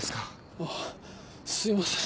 あっすいません